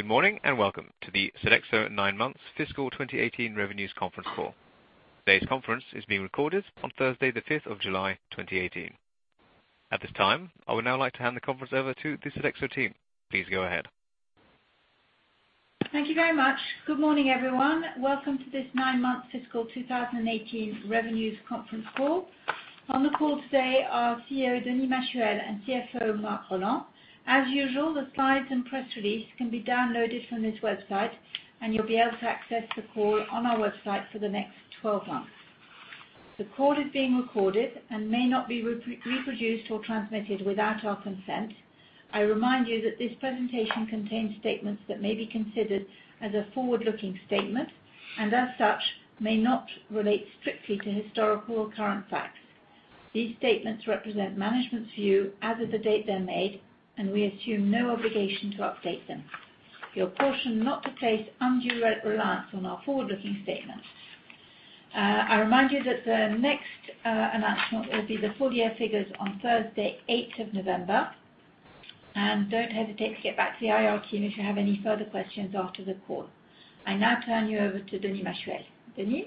Good morning, welcome to the Sodexo Nine Months Fiscal 2018 Revenues conference call. Today's conference is being recorded on Thursday, the 5th of July, 2018. At this time, I would now like to hand the conference over to the Sodexo team. Please go ahead. Thank you very much. Good morning, everyone. Welcome to this nine-month fiscal 2018 revenues conference call. On the call today are CEO, Denis Machuel, and CFO, Marc Rolland. As usual, the slides and press release can be downloaded from this website, you'll be able to access the call on our website for the next 12 months. The call is being recorded, may not be reproduced or transmitted without our consent. I remind you that this presentation contains statements that may be considered as a forward-looking statement, as such, may not relate strictly to historical or current facts. These statements represent management's view as of the date they're made, we assume no obligation to update them. You are cautioned not to place undue reliance on our forward-looking statements. I remind you that the next announcement will be the full-year figures on Thursday, the 8th of November. Don't hesitate to get back to the IR team if you have any further questions after the call. I now turn you over to Denis Machuel. Denis?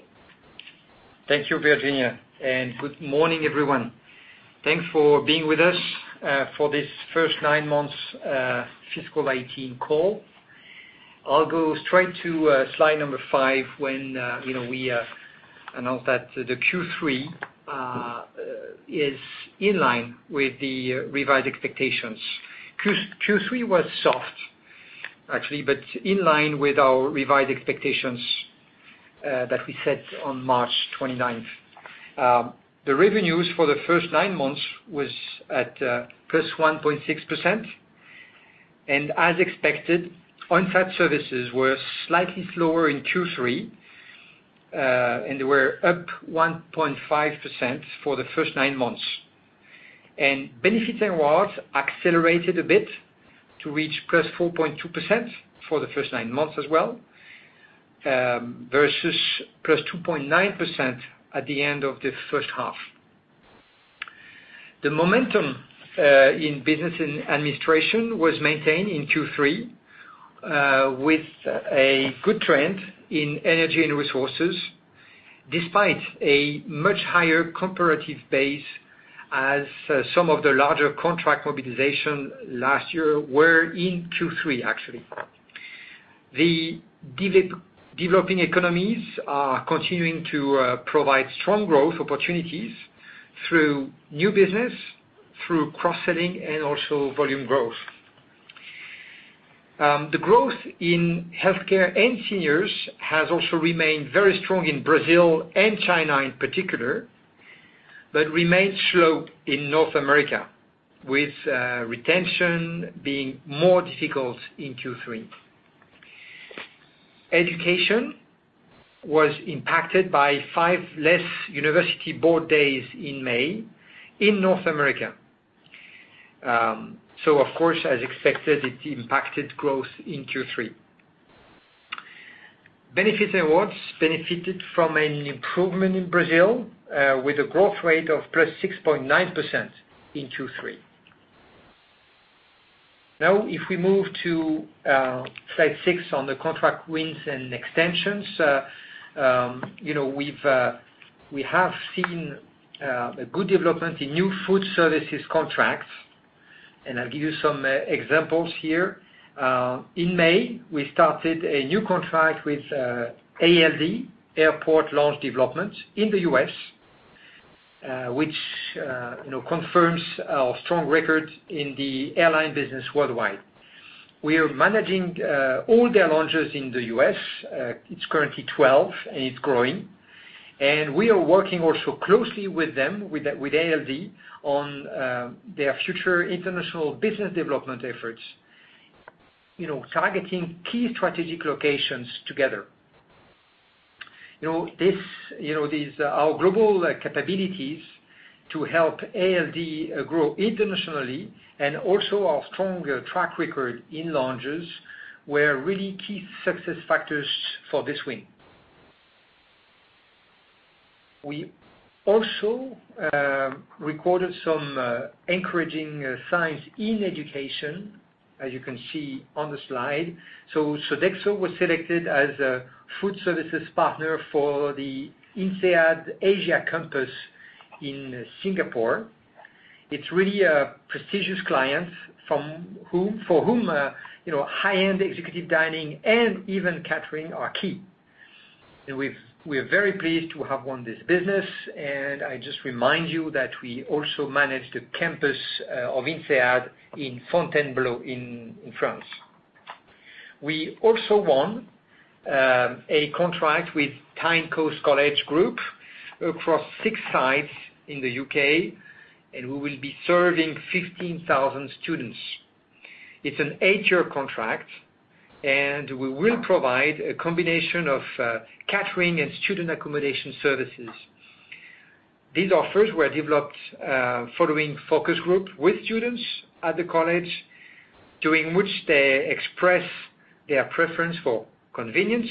Thank you, Virginia. Good morning, everyone. Thanks for being with us for this first nine months fiscal 2018 call. I'll go straight to slide number 5, when we announce that the Q3 is in line with the revised expectations. Q3 was soft, actually, in line with our revised expectations that we set on March 29th. The revenues for the first nine months was at +1.6%, as expected, On-site Services were slightly slower in Q3, they were up +1.5% for the first nine months. Benefits & Rewards accelerated a bit to reach +4.2% for the first nine months as well, versus +2.9% at the end of the first half. The momentum in Business & Administrations was maintained in Q3 with a good trend in Energy & Resources, despite a much higher comparative base as some of the larger contract mobilization last year were in Q3, actually. The developing economies are continuing to provide strong growth opportunities through new business, through cross-selling, and also volume growth. The growth in Healthcare & Seniors has also remained very strong in Brazil and China in particular, but remains slow in North America, with retention being more difficult in Q3. Education was impacted by five less university board days in May in North America. Of course, as expected, it impacted growth in Q3. Benefits & Rewards benefited from an improvement in Brazil with a growth rate of +6.9% in Q3. Now, if we move to slide six on the contract wins and extensions. We have seen a good development in new food services contracts, and I will give you some examples here. In May, we started a new contract with ALD, Airport Lounge Development, in the U.S. which confirms our strong record in the airline business worldwide. We are managing all their lounges in the U.S. It is currently 12, and it is growing. We are working also closely with them, with ALD, on their future international business development efforts, targeting key strategic locations together. Our global capabilities to help ALD grow internationally and also our strong track record in lounges were really key success factors for this win. We also recorded some encouraging signs in education, as you can see on the slide. Sodexo was selected as a food services partner for the INSEAD Asia campus in Singapore. It is really a prestigious client for whom high-end executive dining and event catering are key. We are very pleased to have won this business, and I just remind you that we also manage the campus of INSEAD in Fontainebleau, in France. We also won a contract with Tyne Coast College Group across six sites in the U.K., and we will be serving 15,000 students. It is an 8-year contract, and we will provide a combination of catering and student accommodation services. These offers were developed following focus groups with students at the college, during which they expressed their preference for convenience,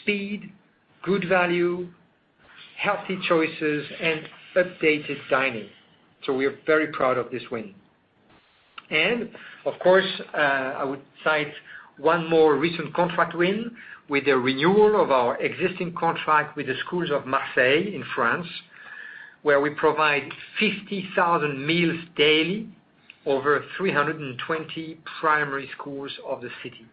speed, good value, healthy choices, and updated dining. We are very proud of this win. I would cite one more recent contract win with the renewal of our existing contract with the schools of Marseille in France, where we provide 50,000 meals daily over 320 primary schools of the city.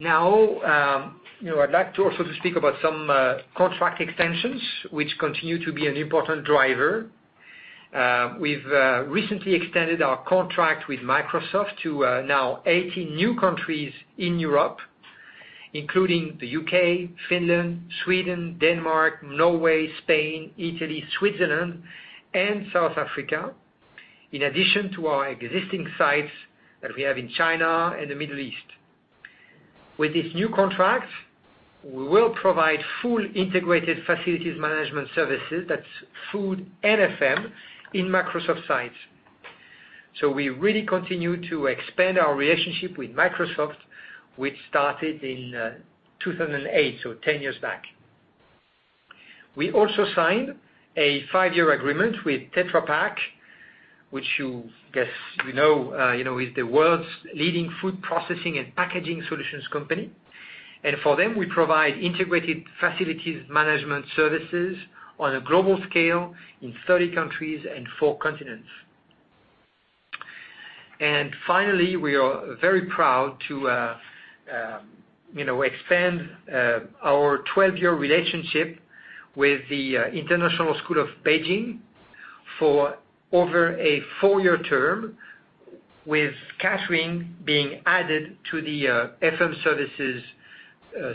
I would like to also speak about some contract extensions, which continue to be an important driver. We have recently extended our contract with Microsoft to now 18 new countries in Europe, including the U.K., Finland, Sweden, Denmark, Norway, Spain, Italy, Switzerland, and South Africa, in addition to our existing sites that we have in China and the Middle East. With this new contract, we will provide fully integrated facilities management services, that is food and FM, in Microsoft sites. We really continue to expand our relationship with Microsoft, which started in 2008, so 10 years back. We also signed a 5-year agreement with Tetra Pak, which you guess you know is the world's leading food processing and packaging solutions company. For them, we provide integrated facilities management services on a global scale in 30 countries and four continents. Finally, we are very proud to expand our 12-year relationship with the International School of Beijing for over a four-year term, with catering being added to the FM services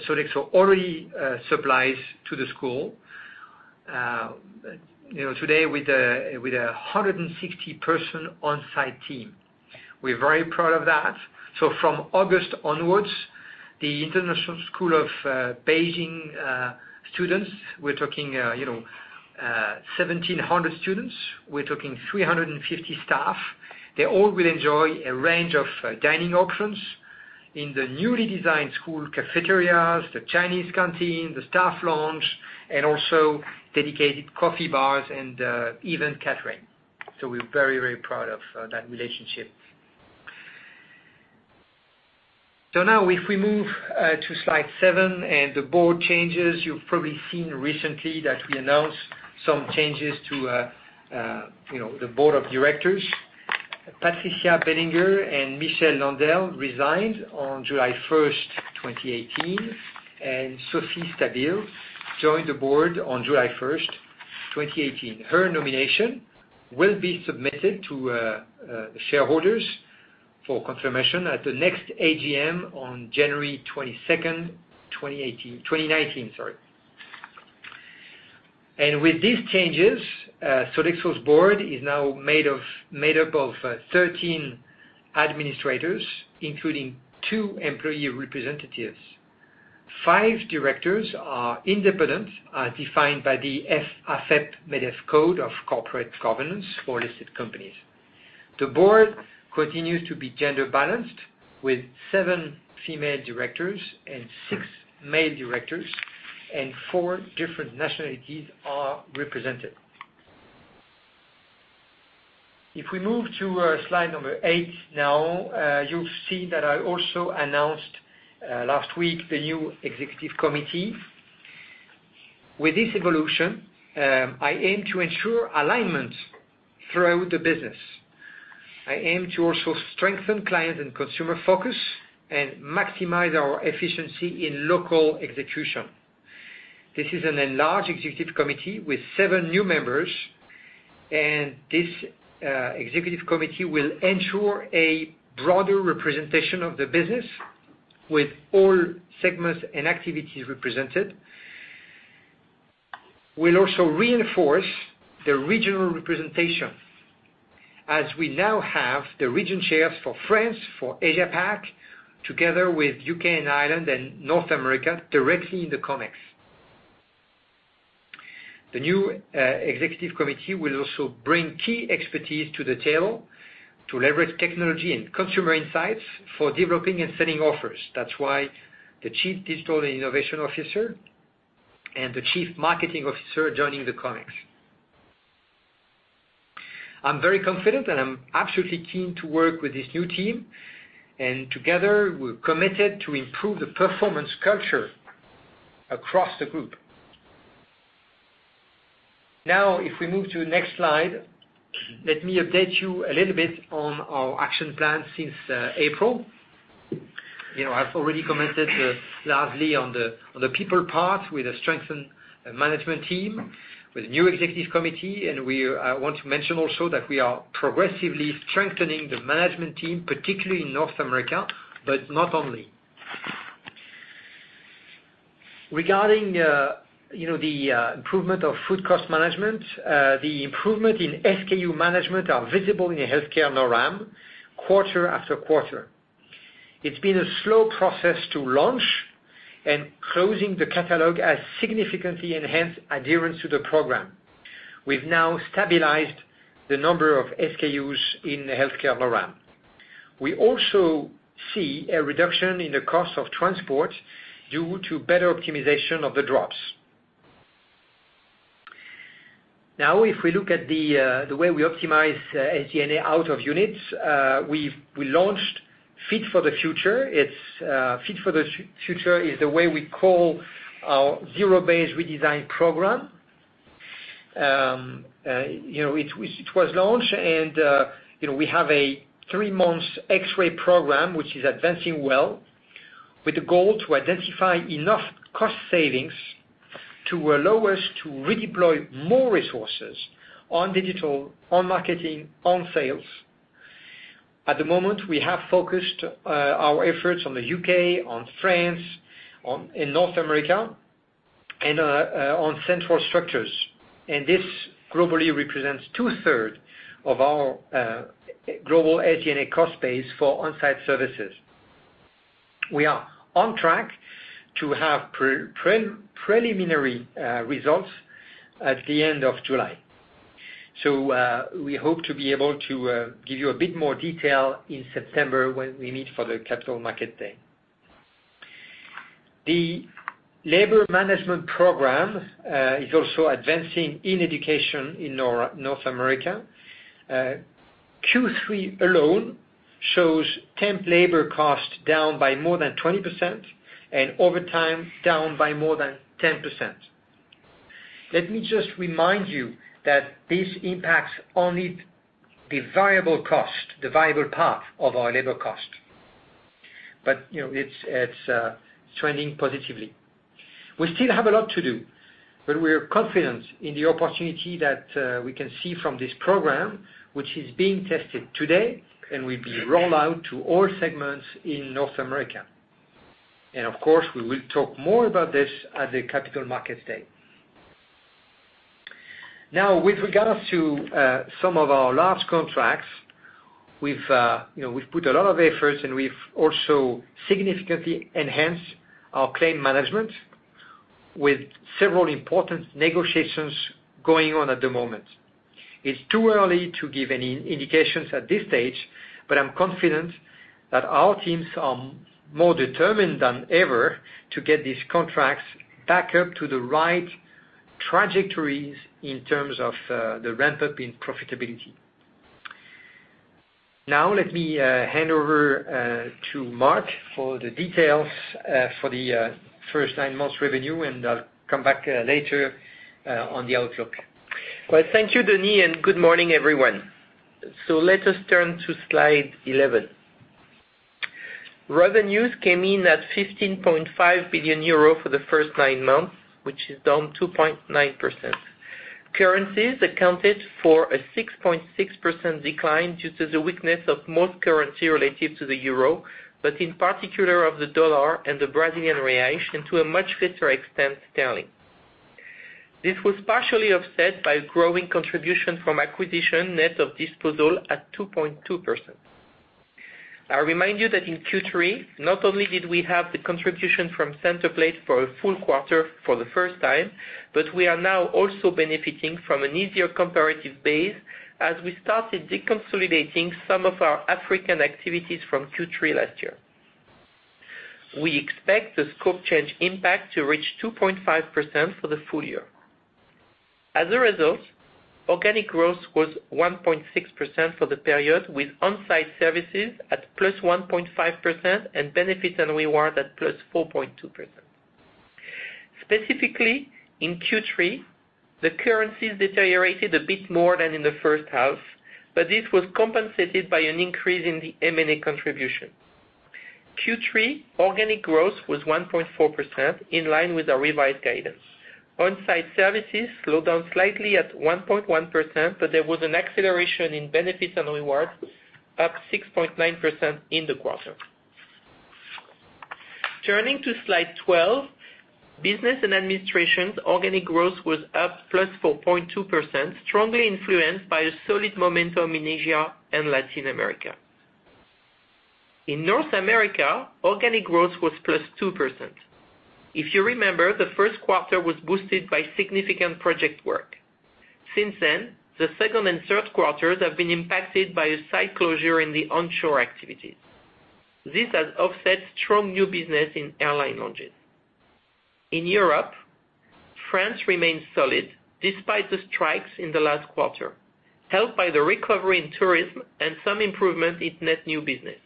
Sodexo already supplies to the school. Today, with a 160-person On-site team. We're very proud of that. From August onwards, the International School of Beijing students, we're talking 1,700 students, we're talking 350 staff. They all will enjoy a range of dining options in the newly designed school cafeterias, the Chinese canteen, the staff lounge, and also dedicated coffee bars and even catering. We're very proud of that relationship. Now if we move to slide seven and the board changes, you've probably seen recently that we announced some changes to the board of directors. Patricia Bellinger and Michel Landel resigned on July 1st, 2018, and Sophie Stabile joined the board on July 1st, 2018. Her nomination will be submitted to shareholders for confirmation at the next AGM on January 22nd, 2019. With these changes, Sodexo's board is now made up of 13 administrators, including two employee representatives. Five directors are independent, as defined by the AFEP-MEDEF Code of Corporate Governance for listed companies. The board continues to be gender balanced with seven female directors and six male directors, and four different nationalities are represented. We move to slide number eight now, you'll see that I also announced last week the new Executive Committee. With this evolution, I aim to ensure alignment throughout the business. I aim to also strengthen client and consumer focus and maximize our efficiency in local execution. This is a large Executive Committee with seven new members. This Executive Committee will ensure a broader representation of the business with all segments and activities represented, will also reinforce the regional representation as we now have the region chairs for France, for Asia-Pac, together with U.K. and Ireland and North America directly in the ComEx. The new Executive Committee will also bring key expertise to the table to leverage technology and consumer insights for developing and selling offers. That's why the Chief Digital and Innovation Officer and the Chief Marketing Officer are joining the ComEx. I'm very confident. I'm absolutely keen to work with this new team. Together we're committed to improve the performance culture across the group. We move to the next slide, let me update you a little bit on our action plan since April. I've already commented largely on the people part with a strengthened management team, with new Executive Committee. I want to mention also that we are progressively strengthening the management team, particularly in North America, but not only. Regarding the improvement of food cost management, the improvement in SKU management are visible in the Healthcare program quarter after quarter. It's been a slow process to launch. Closing the catalog has significantly enhanced adherence to the program. We've now stabilized the number of SKUs in Healthcare and around. We also see a reduction in the cost of transport due to better optimization of the drops. We look at the way we optimize SG&A out of units, we launched Fit for the Future. Fit for the Future is the way we call our zero-based redesign program. It was launched, we have a 3-month X-ray program, which is advancing well, with the goal to identify enough cost savings to allow us to redeploy more resources on digital, on marketing, on sales. At the moment, we have focused our efforts on the U.K., on France, in North America, and on central structures, this globally represents two-thirds of our global SG&A cost base for On-site Services. We are on track to have preliminary results at the end of July. We hope to be able to give you a bit more detail in September when we meet for the Capital Markets Day. The labor management program is also advancing in education in North America. Q3 alone shows temp labor cost down by more than 20% and overtime down by more than 10%. Let me just remind you that this impacts only the variable cost, the variable part of our labor cost. It's trending positively. We still have a lot to do, we're confident in the opportunity that we can see from this program, which is being tested today and will be rolled out to all segments in North America. Of course, we will talk more about this at the Capital Markets Day. With regard to some of our large contracts, we've put a lot of efforts, we've also significantly enhanced our claim management with several important negotiations going on at the moment. It's too early to give any indications at this stage, but I'm confident that our teams are more determined than ever to get these contracts back up to the right trajectories in terms of the ramp-up in profitability. Let me hand over to Marc for the details for the first nine months revenue, and I'll come back later on the outlook. Well, thank you, Denis, good morning, everyone. Let us turn to slide 11. Revenues came in at 15.5 billion euro for the first nine months, which is down 2.9%. Currencies accounted for a 6.6% decline due to the weakness of most currency relative to the euro, but in particular of the dollar and the Brazilian real, and to a much lesser extent, sterling. This was partially offset by a growing contribution from acquisition net of disposal at 2.2%. I'll remind you that in Q3, not only did we have the contribution from Centerplate for a full quarter for the first time, but we are now also benefiting from an easier comparative base as we started deconsolidating some of our African activities from Q3 last year. We expect the scope change impact to reach 2.5% for the full year. As a result, organic growth was 1.6% for the period, with On-site Services at +1.5% and Benefits & Rewards at +4.2%. Specifically, in Q3, the currencies deteriorated a bit more than in the first half, this was compensated by an increase in the M&A contribution. Q3 organic growth was 1.4%, in line with our revised guidance. On-site Services slowed down slightly at 1.1%, there was an acceleration in Benefits & Rewards, up 6.9% in the quarter. Turning to slide 12, Business & Administrations' organic growth was up +4.2%, strongly influenced by a solid momentum in Asia and Latin America. In North America, organic growth was +2%. If you remember, the first quarter was boosted by significant project work. Since then, the second and third quarters have been impacted by a site closure in the onshore activities. This has offset strong new business in airline launches. In Europe, France remains solid despite the strikes in the last quarter, helped by the recovery in tourism and some improvement in net new business.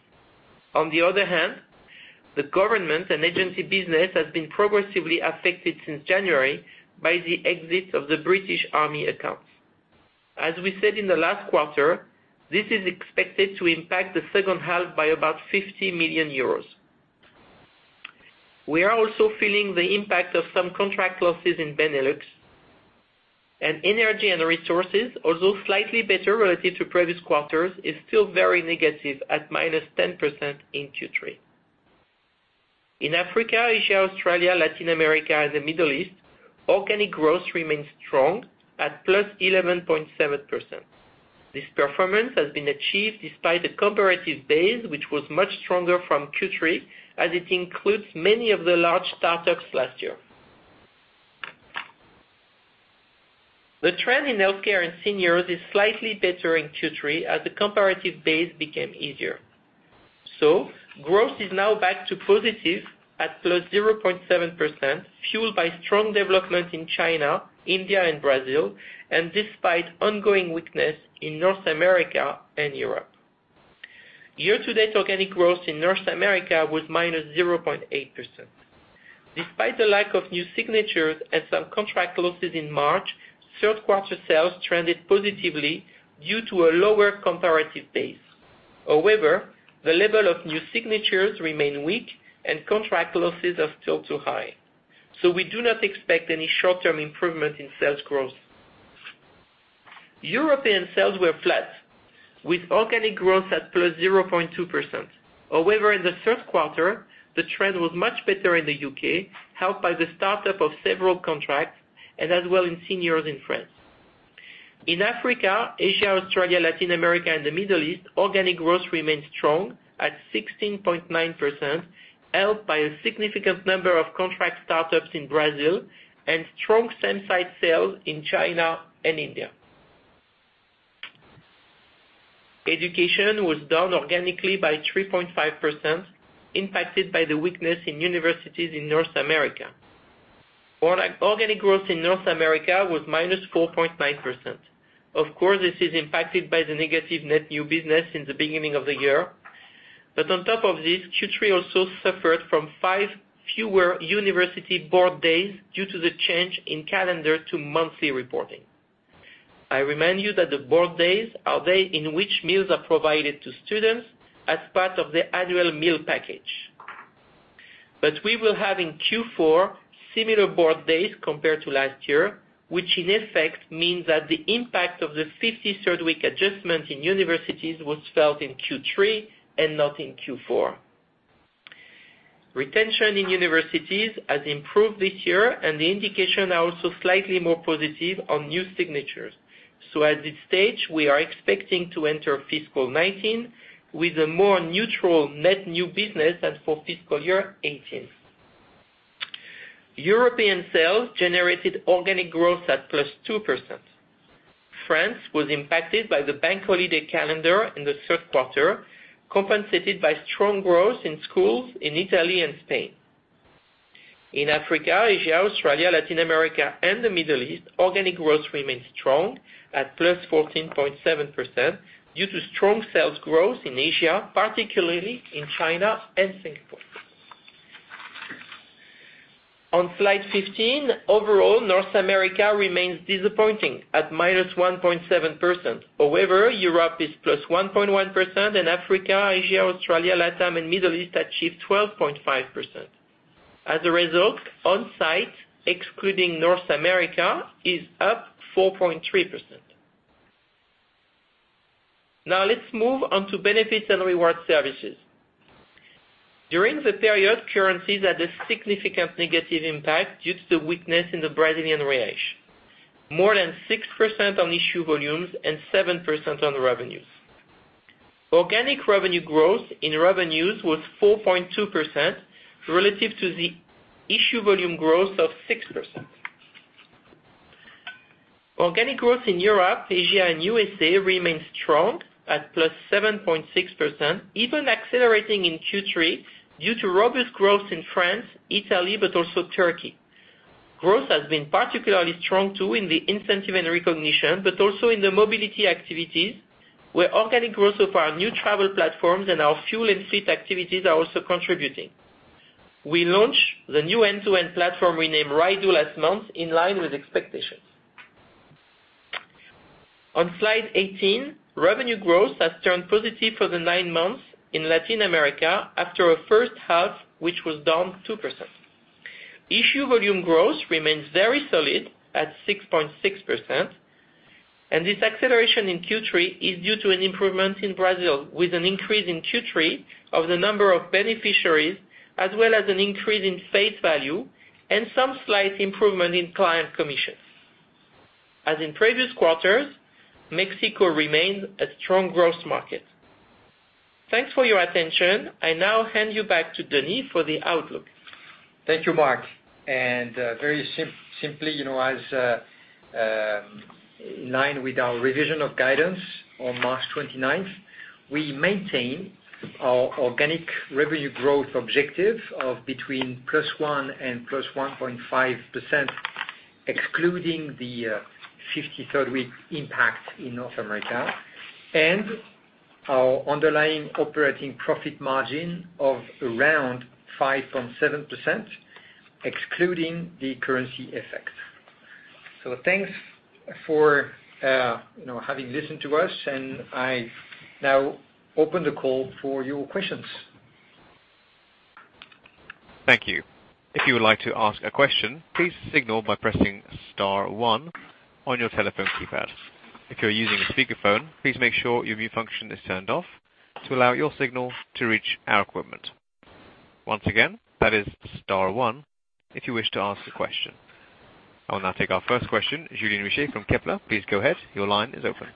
The government and agency business has been progressively affected since January by the exit of the British Army account. As we said in the last quarter, this is expected to impact the second half by about 50 million euros. We are also feeling the impact of some contract losses in Benelux. Energy & Resources, although slightly better relative to previous quarters, is still very negative at -10% in Q3. In Africa, Asia, Australia, Latin America, and the Middle East, organic growth remains strong at +11.7%. This performance has been achieved despite a comparative base which was much stronger from Q3, as it includes many of the large startups last year. The trend in Healthcare & Seniors is slightly better in Q3 as the comparative base became easier. Growth is now back to positive at +0.7%, fueled by strong development in China, India, and Brazil, and despite ongoing weakness in North America and Europe. Year-to-date organic growth in North America was -0.8%. Despite the lack of new signatures and some contract losses in March, third quarter sales trended positively due to a lower comparative base. The level of new signatures remain weak and contract losses are still too high. We do not expect any short-term improvement in sales growth. European sales were flat, with organic growth at +0.2%. In the third quarter, the trend was much better in the U.K., helped by the startup of several contracts and as well in seniors in France. In Africa, Asia, Australia, Latin America and the Middle East, organic growth remained strong at 16.9%, helped by a significant number of contract startups in Brazil and strong same-site sales in China and India. Education was down organically by 3.5%, impacted by the weakness in universities in North America. Organic growth in North America was -4.9%. This is impacted by the negative net new business since the beginning of the year. On top of this, Q3 also suffered from five fewer university board days due to the change in calendar to monthly reporting. I remind you that the board days are day in which meals are provided to students as part of the annual meal package. We will have in Q4 similar board days compared to last year, which in effect means that the impact of the 53rd week adjustment in universities was felt in Q3 and not in Q4. Retention in universities has improved this year, and the indications are also slightly more positive on new signatures. At this stage, we are expecting to enter fiscal 2019 with a more neutral net new business than for fiscal year 2018. European sales generated organic growth at +2%. France was impacted by the bank holiday calendar in the third quarter, compensated by strong growth in schools in Italy and Spain. In Africa, Asia, Australia, Latin America and the Middle East, organic growth remained strong at +14.7% due to strong sales growth in Asia, particularly in China and Singapore. On slide 15, overall North America remains disappointing at -1.7%. Europe is +1.1% in Africa, Asia, Australia, LatAm, and Middle East achieved 12.5%. As a result, On-site, excluding North America, is up 4.3%. Let's move on to Benefits and Rewards Services. During the period, currencies had a significant negative impact due to weakness in the Brazilian real. More than 6% on issue volumes and 7% on revenues. Organic revenue growth in revenues was 4.2% relative to the issue volume growth of 6%. Organic growth in Europe, Asia, and U.S.A. remains strong at +7.6%, even accelerating in Q3 due to robust growth in France, Italy, but also Turkey. Growth has been particularly strong too in the incentive and recognition, but also in the mobility activities, where organic growth of our new travel platforms and our fuel and fleet activities are also contributing. We launched the new end-to-end platform we named Rydoo last month, in line with expectations. On slide 18, revenue growth has turned positive for the nine months in Latin America after a first half, which was down 2%. Issue volume growth remains very solid at 6.6%, and this acceleration in Q3 is due to an improvement in Brazil, with an increase in Q3 of the number of beneficiaries as well as an increase in face value and some slight improvement in client commissions. As in previous quarters, Mexico remains a strong growth market. Thanks for your attention. I now hand you back to Denis for the outlook. Thank you, Marc. Very simply, as in line with our revision of guidance on March 29th, we maintain our organic revenue growth objective of between +1% and +1.5%, excluding the 53rd week impact in North America, and our underlying operating profit margin of around 5.7%, excluding the currency effect. Thanks for having listened to us, and I now open the call for your questions. Thank you. If you would like to ask a question, please signal by pressing star one on your telephone keypad. If you're using a speakerphone, please make sure your mute function is turned off to allow your signal to reach our equipment. Once again, that is star one if you wish to ask a question. I will now take our first question. Julien Richer from Kepler. Please go ahead. Your line is open.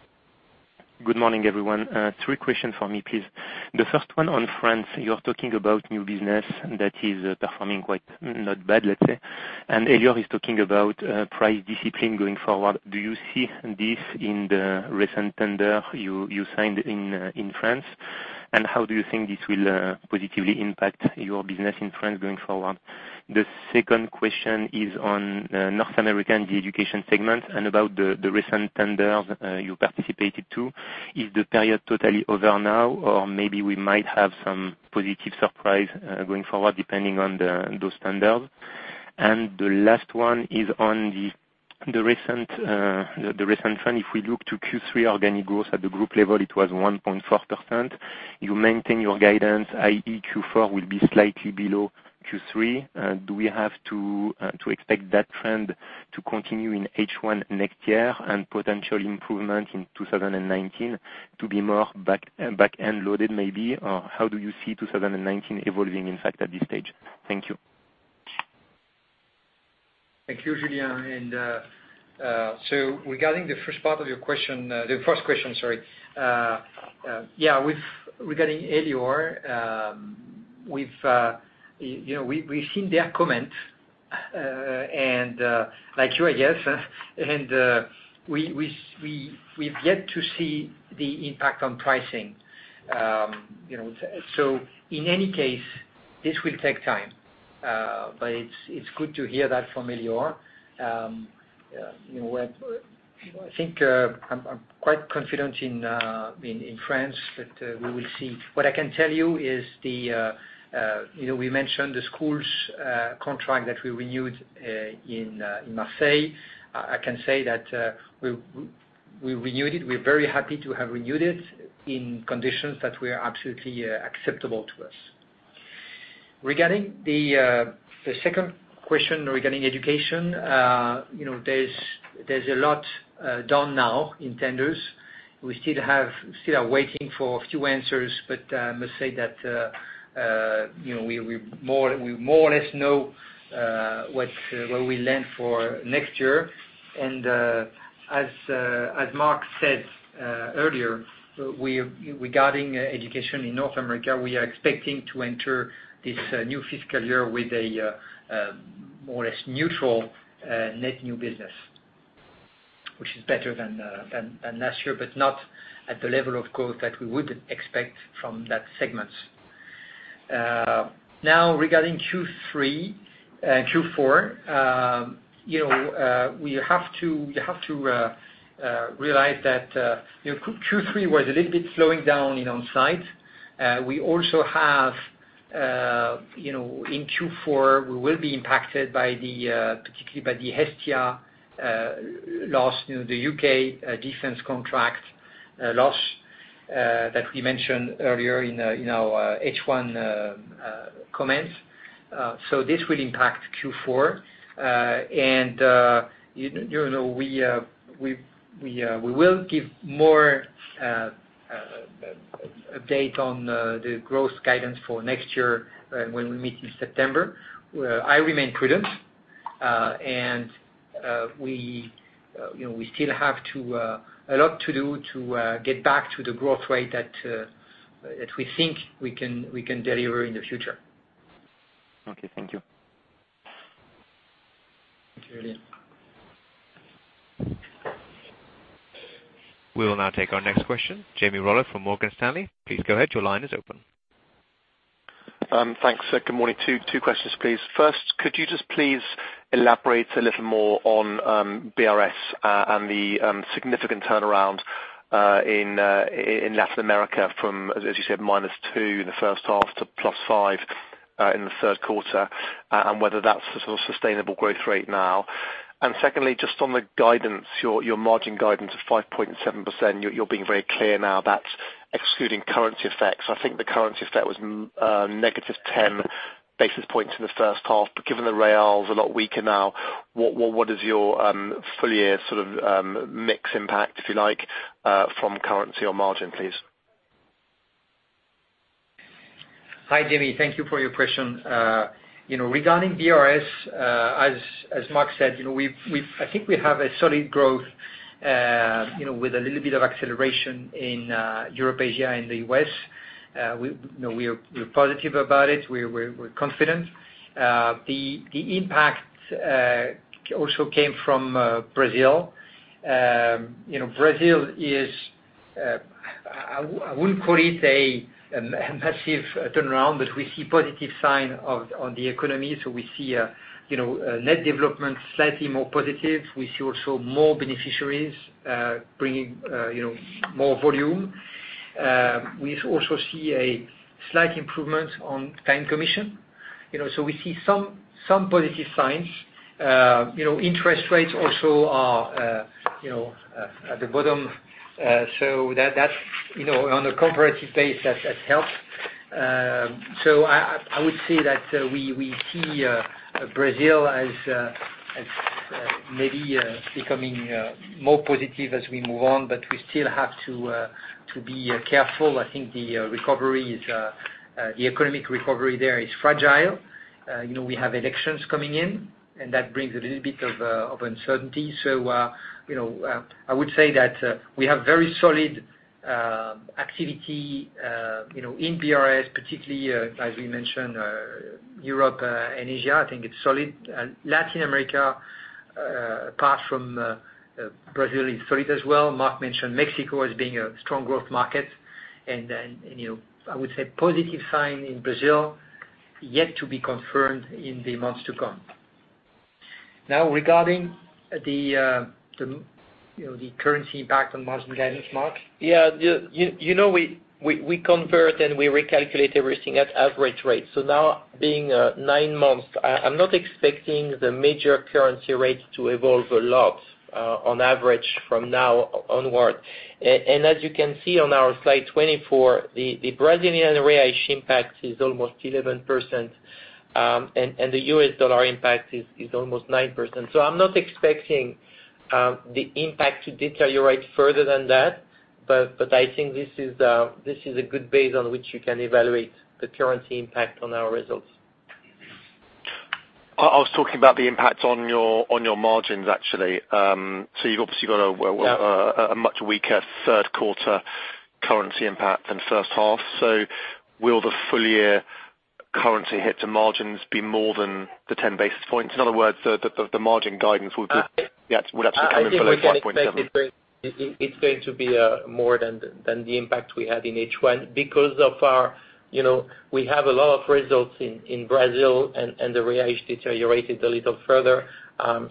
Good morning, everyone. Three questions for me, please. The first one on France. You're talking about new business that is performing quite not bad, let's say. Elior is talking about price discipline going forward. Do you see this in the recent tender you signed in France? How do you think this will positively impact your business in France going forward? The second question is on North America and the education segment and about the recent tenders you participated too. Is the period totally over now, or maybe we might have some positive surprise, going forward, depending on those tenders? The last one is on the recent trend. If we look to Q3 organic growth at the group level, it was 1.4%. You maintain your guidance, i.e., Q4 will be slightly below Q3. Do we have to expect that trend to continue in H1 next year and potential improvement in 2019 to be more back-end loaded, maybe? How do you see 2019 evolving, in fact, at this stage? Thank you. Thank you, Julien. Regarding the first question. Regarding Elior, we've seen their comments, and like you, I guess, and we've yet to see the impact on pricing. In any case, this will take time. It's good to hear that from Elior. I think I'm quite confident in France that we will see. What I can tell you is we mentioned the school's contract that we renewed in Marseille. I can say that, we renewed it. We're very happy to have renewed it in conditions that were absolutely acceptable to us. Regarding the second question regarding education, there's a lot done now in tenders. We still are waiting for a few answers, but I must say that we more or less know what we lent for next year. As Marc said earlier, regarding education in North America, we are expecting to enter this new fiscal year with a more or less neutral net new business, which is better than last year, but not at the level, of course, that we would expect from that segment. Regarding Q3 and Q4, you have to realize that Q3 was a little bit slowing down on site. We also have, in Q4, we will be impacted particularly by the Hestia loss, the U.K. defense contract loss, that we mentioned earlier in our H1 comments. This will impact Q4, and we will give more update on the growth guidance for next year when we meet in September. I remain prudent, and we still have a lot to do to get back to the growth rate that we think we can deliver in the future. Okay. Thank you. Thank you. We will now take our next question. Jamie Rollo from Morgan Stanley. Please go ahead. Your line is open. Thanks. Good morning. Two questions, please. First, could you just please elaborate a little more on BRS and the significant turnaround in Latin America from, as you said, -2% in the first half to +5% in the third quarter, and whether that's a sort of sustainable growth rate now? Secondly, just on the guidance, your margin guidance of 5.7%, you're being very clear now that's excluding currency effects. I think the currency effect was -10 basis points in the first half. Given the real's a lot weaker now, what is your full year sort of mix impact, if you like, from currency on margin, please? Hi, Jamie. Thank you for your question. Regarding BRS, as Marc said, I think we have a solid growth with a little bit of acceleration in Europe, Asia, and the U.S. We're positive about it. We're confident. The impact also came from Brazil. Brazil is, I wouldn't call it a massive turnaround, but we see positive sign on the economy. We see net development slightly more positive. We see also more beneficiaries bringing more volume. We also see a slight improvement on bank commission. We see some positive signs. Interest rates also are at the bottom. That's on a comparative basis, that helps. I would say that we see Brazil as maybe becoming more positive as we move on, but we still have to be careful. I think the economic recovery there is fragile. We have elections coming in, and that brings a little bit of uncertainty. I would say that we have very solid activity in BRS, particularly as we mentioned, Europe and Asia, I think it's solid. Latin America, apart from Brazil, is solid as well. Marc mentioned Mexico as being a strong growth market. I would say positive sign in Brazil, yet to be confirmed in the months to come. Now, regarding the currency impact on margin guidance, Marc? Yeah. We convert and we recalculate everything at average rate. Now being nine months, I'm not expecting the major currency rate to evolve a lot on average from now onward. As you can see on our slide 24, the Brazilian real impact is almost 11%, and the U.S. dollar impact is almost 9%. I'm not expecting the impact to deteriorate further than that, but I think this is a good base on which you can evaluate the currency impact on our results. I was talking about the impact on your margins, actually. You've obviously got Yeah a much weaker third quarter currency impact than the first half. Will the full year currency hit to margins be more than the 10 basis points? In other words, the margin guidance would actually come in below 5.7. I think we can expect it's going to be more than the impact we had in H1, because We have a lot of results in Brazil, and the real has deteriorated a little further.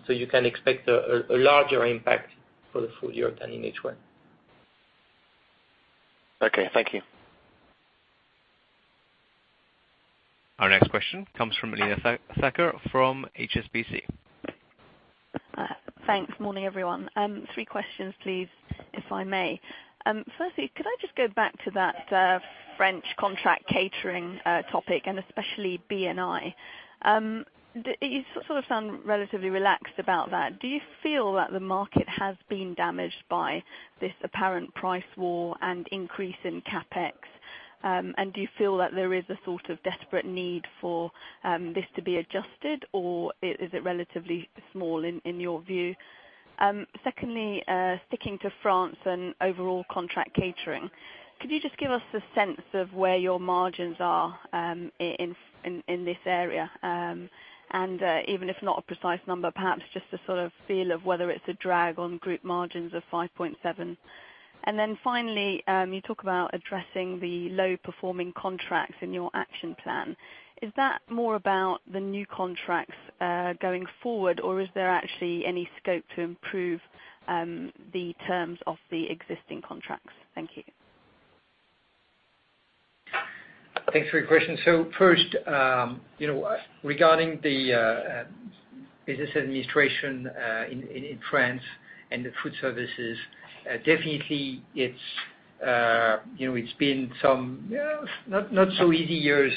You can expect a larger impact for the full year than in H1. Okay, thank you. Our next question comes from [Elena Thacker] from HSBC. Thanks. Morning, everyone. Three questions, please, if I may. Firstly, could I just go back to that French contract catering topic, and especially B&I. You sort of sound relatively relaxed about that. Do you feel that the market has been damaged by this apparent price war and increase in CapEx? Do you feel that there is a sort of desperate need for this to be adjusted, or is it relatively small in your view? Secondly, sticking to France and overall contract catering, could you just give us a sense of where your margins are in this area? Even if not a precise number, perhaps just a sort of feel of whether it's a drag on group margins of 5.7%. Finally, you talk about addressing the low-performing contracts in your action plan. Is that more about the new contracts, going forward, or is there actually any scope to improve the terms of the existing contracts? Thank you. Thanks for your question. First, regarding the Business & Administrations in France and the food services, definitely it's been some not so easy years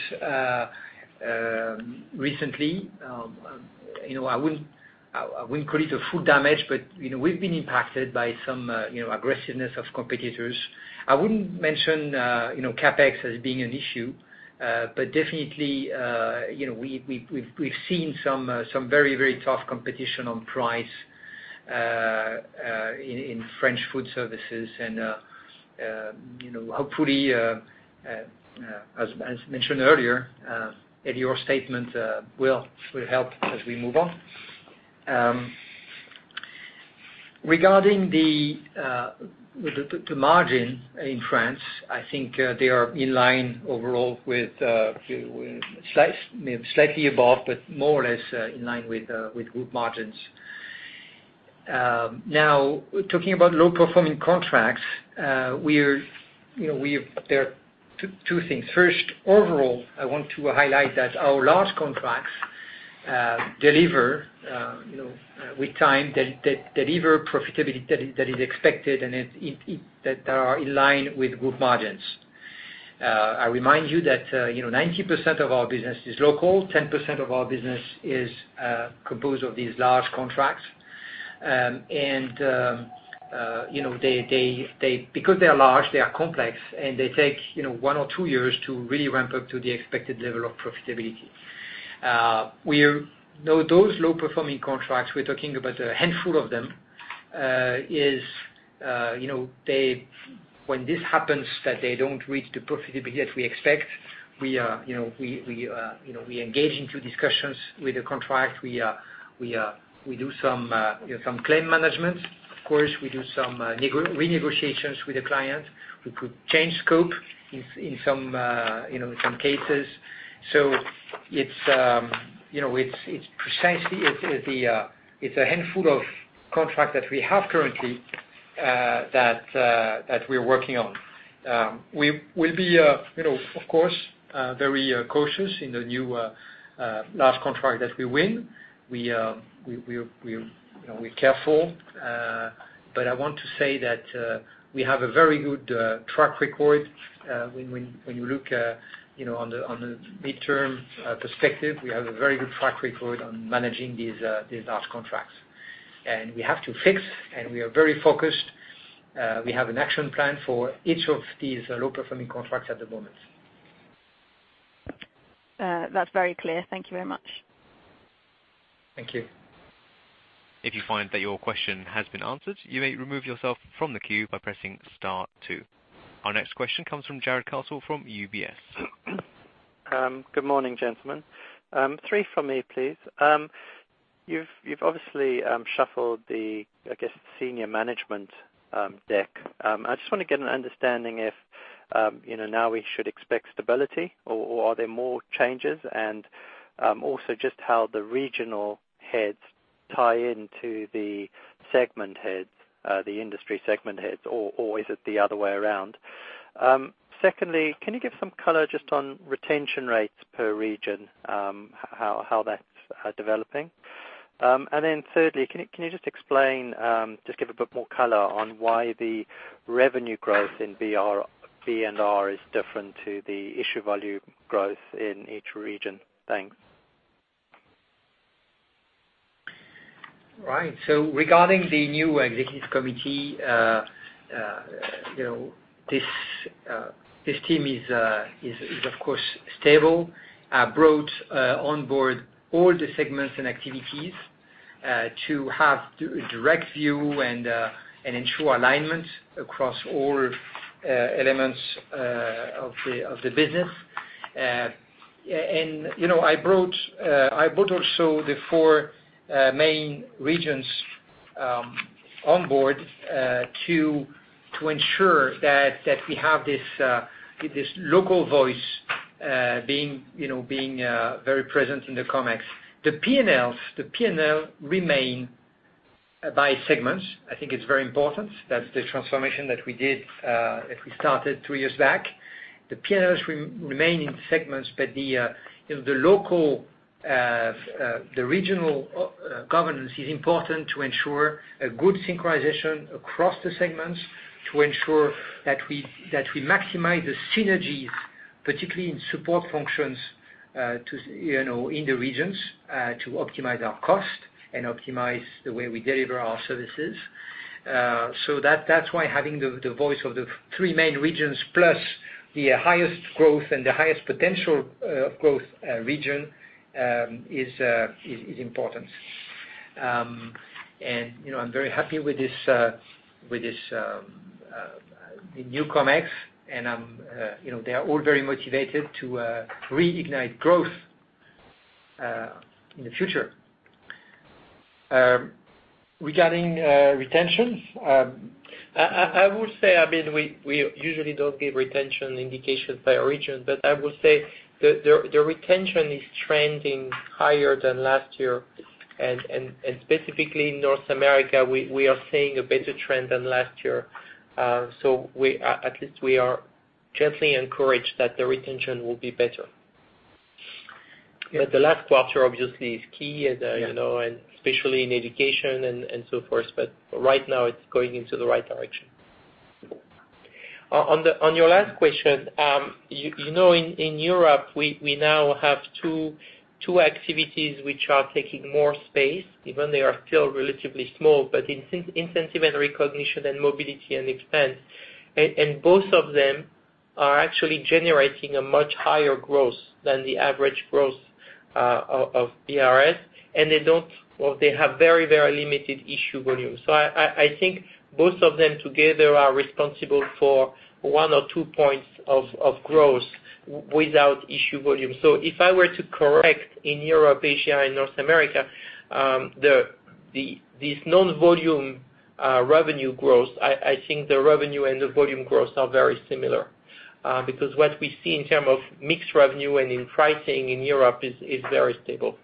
recently. I wouldn't call it a full damage, but we've been impacted by some aggressiveness of competitors. I wouldn't mention CapEx as being an issue. Definitely, we've seen some very, very tough competition on price in French food services and hopefully, as mentioned earlier, maybe your statement will help as we move on. Regarding the margin in France, I think they are in line overall with slightly above, but more or less in line with group margins. Talking about low-performing contracts, there are two things. First, overall, I want to highlight that our large contracts, with time, they deliver profitability that is expected, and that are in line with group margins. I remind you that 90% of our business is local, 10% of our business is composed of these large contracts. Because they are large, they are complex, and they take one or two years to really ramp up to the expected level of profitability. Those low-performing contracts, we're talking about a handful of them, when this happens, that they don't reach the profitability that we expect, we engage into discussions with the contract. We do some claim management. Of course, we do some renegotiations with the client. We could change scope in some cases. It's a handful of contracts that we have currently, that we're working on. We'll be, of course, very cautious in the new large contract that we win. We're careful. I want to say that we have a very good track record. When you look on the midterm perspective, we have a very good track record on managing these large contracts. We have to fix, and we are very focused. We have an action plan for each of these low-performing contracts at the moment. That's very clear. Thank you very much. Thank you. If you find that your question has been answered, you may remove yourself from the queue by pressing star two. Our next question comes from Jarrod Castle from UBS. Good morning, gentlemen. Three from me, please. You've obviously shuffled the, I guess, senior management deck. I just want to get an understanding if now we should expect stability or are there more changes? Also just how the regional heads tie into the segment heads, the industry segment heads, or is it the other way around? Secondly, can you give some color just on retention rates per region, how that's developing? Thirdly, can you just explain, just give a bit more color on why the revenue growth in B&R is different to the issue value growth in each region? Thanks. Right. Regarding the new Executive Committee, this team is of course stable, brought on board all the segments and activities to have direct view and ensure alignment across all elements of the business. I brought also the four main regions on board to ensure that we have this local voice being very present in the ComEx. The P&Ls remain by segments. I think it's very important. That's the transformation that we did as we started three years back. The P&Ls remain in segments, the regional governance is important to ensure a good synchronization across the segments to ensure that we maximize the synergies, particularly in support functions in the regions to optimize our cost and optimize the way we deliver our services. That's why having the voice of the three main regions plus the highest growth and the highest potential of growth region is important. I would say, we usually don't give retention indications by region, I will say the retention is trending higher than last year specifically in North America, we are seeing a better trend than last year. At least we are gently encouraged that the retention will be better. The last quarter obviously is key. Yeah especially in education and so forth, right now it's going into the right direction. On your last question, in Europe we now have two activities which are taking more space, even they are still relatively small, in incentive and recognition and mobility and expense. Both of them are actually generating a much higher growth than the average growth of BRS, and they have very limited issue volume. I think both of them together are responsible for one or two points of growth without issue volume. If I were to correct in Europe, Asia and North America, this non-volume revenue growth, I think the revenue and the volume growth are very similar. What we see in term of mixed revenue and in pricing in Europe is very stable.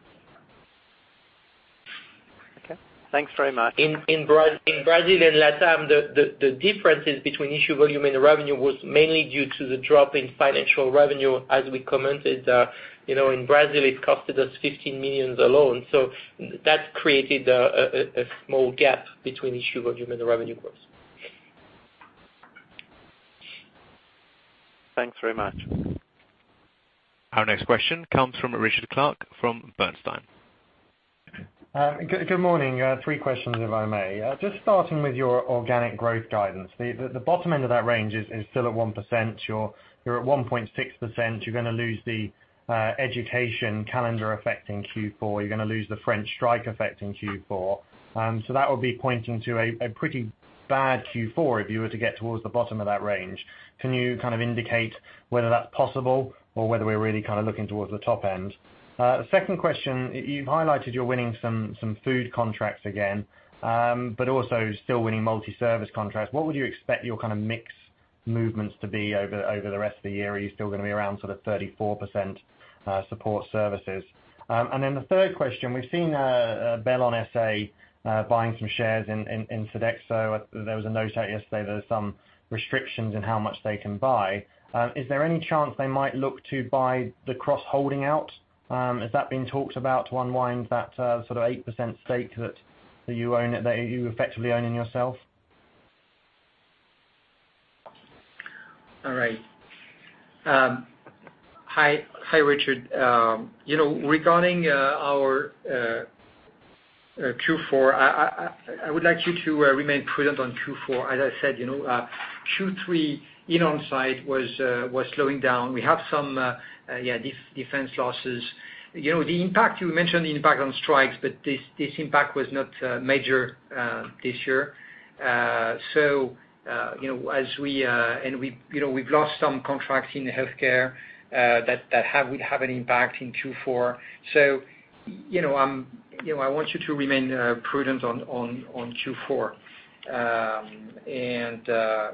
Okay. Thanks very much. In Brazil and LATAM, the differences between issue volume and revenue was mainly due to the drop in financial revenue as we commented. In Brazil, it costed us 15 million alone, that created a small gap between issue volume and the revenue growth. Thanks very much. Our next question comes from Richard Clarke from Bernstein. Good morning. Three questions, if I may. Just starting with your organic growth guidance. The bottom end of that range is still at 1%. You're at 1.6%, you're going to lose the education calendar effect in Q4. You're going to lose the French strike effect in Q4. That would be pointing to a pretty bad Q4 if you were to get towards the bottom of that range. Can you kind of indicate whether that's possible or whether we're really kind of looking towards the top end? Second question, you've highlighted you're winning some food contracts again. Also still winning multi-service contracts. What would you expect your kind of mix movements to be over the rest of the year? Are you still going to be around sort of 34% support services? The third question, we've seen Bellon SA buying some shares in Sodexo. There was a note out yesterday that there's some restrictions in how much they can buy. Is there any chance they might look to buy the cross holding out? Has that been talked about to unwind that sort of 8% stake that you effectively own in yourself? All right. Hi, Richard. Regarding our Q4, I would like you to remain prudent on Q4. As I said, Q3 in On-site was slowing down. We have some defense losses. You mentioned the impact on strikes, but this impact was not major this year. We've lost some contracts in healthcare that will have an impact in Q4. I want you to remain prudent on Q4,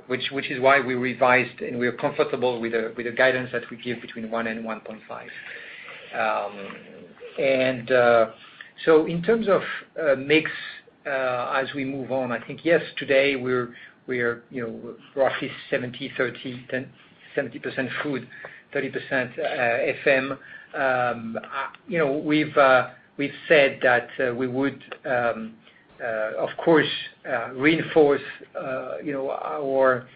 which is why we revised, and we are comfortable with the guidance that we give between one and 1.5. In terms of mix as we move on, I think yes, today, we're roughly 70/30, 70% food, 30% FM. We've said that we would, of course, reinforce our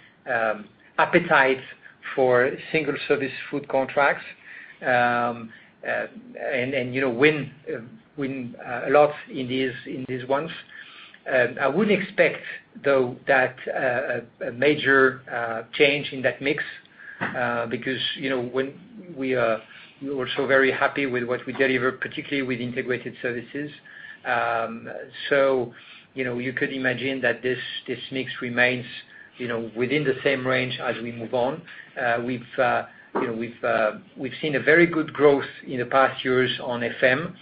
appetite for single service food contracts, win a lot in these ones. I wouldn't expect, though, that a major change in that mix because we're also very happy with what we deliver, particularly with integrated services. You could imagine that this mix remains within the same range as we move on. We've seen a very good growth in the past years on FM.